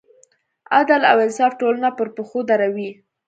عدل او انصاف ټولنه پر پښو دروي.